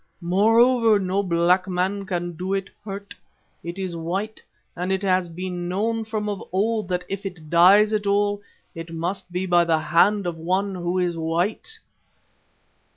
Moreover, no black man can do it hurt. It is white, and it has been known from of old that if it dies at all, it must be by the hand of one who is white.